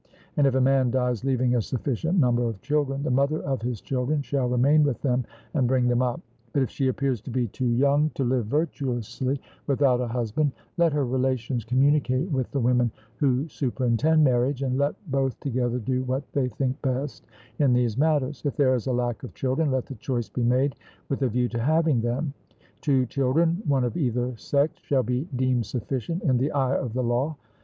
And if a man dies leaving a sufficient number of children, the mother of his children shall remain with them and bring them up. But if she appears to be too young to live virtuously without a husband, let her relations communicate with the women who superintend marriage, and let both together do what they think best in these matters; if there is a lack of children, let the choice be made with a view to having them; two children, one of either sex, shall be deemed sufficient in the eye of the law.